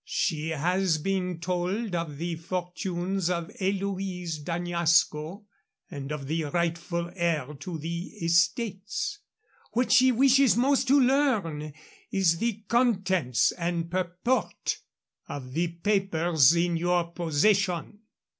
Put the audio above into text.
She has been told of the fortunes of Eloise d'Añasco and of the rightful heir to the estates. What she wishes most to learn is the contents and purport of the papers in your possession."